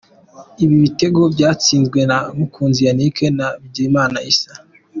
Ibi bitego byatsinzwe na Mukunzi Yannick na Bigirimana Issa.